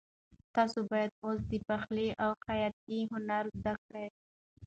تاسو باید اوس د پخلي او خیاطۍ هنر زده کړئ.